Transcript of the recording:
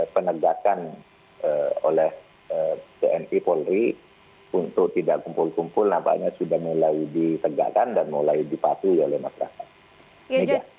penegakan oleh tni polri untuk tidak kumpul kumpul nampaknya sudah mulai ditegakkan dan mulai dipatuhi oleh masyarakat